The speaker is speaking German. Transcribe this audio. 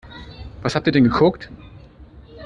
Was habt ihr denn geguckt?